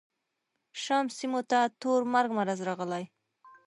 شام سیمو ته تور مرګ مرض راغلی.